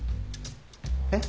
えっ？